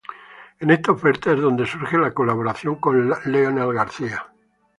En esta oferta es donde surge la colaboración con Leonel García.